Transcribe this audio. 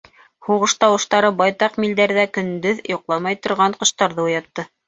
Һуғыш тауыштары байтаҡ милдәрҙә көндөҙ йоҡламай торған ҡоштарҙы уятты.